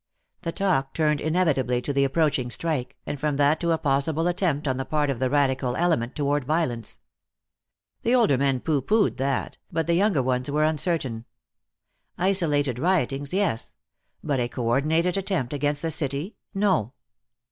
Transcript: The talk turned inevitably to the approaching strike, and from that to a possible attempt on the part of the radical element toward violence. The older men pooh poohed that, but the younger ones were uncertain. Isolated riotings, yes. But a coordinated attempt against the city, no.